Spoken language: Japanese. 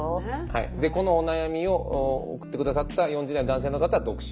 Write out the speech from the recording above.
はいこのお悩みを送って下さった４０代の男性の方は独身。